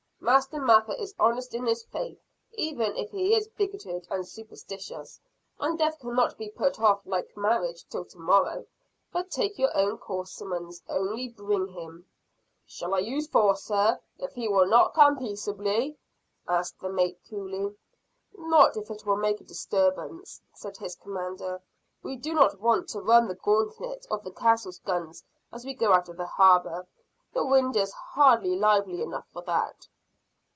"Master Mather is honest in his faith, even if he is bigoted and superstitious and death cannot be put off like marriage till tomorrow. But take your own course, Simmons only bring him." "Shall I use force, sir, if he will not come peaceably?" asked the mate coolly. "Not if it will make a disturbance," said his commander. "We do not want to run the gauntlet of the castle's guns as we go out of the harbor. The wind is hardly lively enough for that."